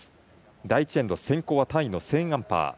第１エンド、先攻はタイのセーンアンパー。